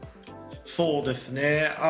そうですね。